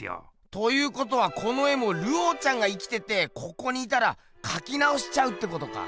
ということはこの絵もルオーちゃんが生きててここにいたらかきなおしちゃうってことか。